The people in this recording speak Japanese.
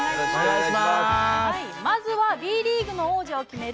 まずはＢリーグの王者を決める